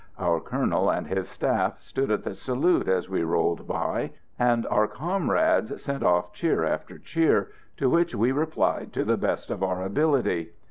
Our Colonel and his staff stood at the salute as we rolled by, and our comrades sent off cheer after cheer, to which we replied to the best of our ability.